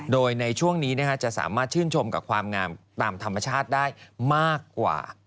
โดยในช่วงนี้จะสามารถชื่นชมกับความงามตามธรรมชาติได้มากกว่า